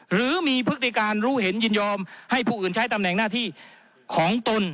หรือมีพฤติการรู้เห็นยินยอมให้ผู้อื่นใช้ตำแหน่งหน้าที่ของตน